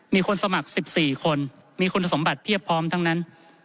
มีคนสมัคร๑๔คนมีคุณสมบัติเพียบพร้อมทั้งนั้น